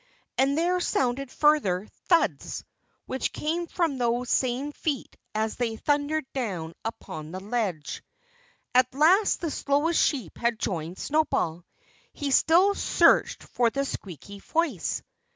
And there sounded further thuds which came from those same feet as they thundered down upon the ledge. At last the slowest sheep had joined Snowball. He still searched for the squeaky voice.